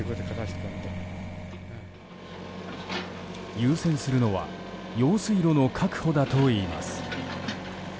優先するのは用水路の確保だといいます。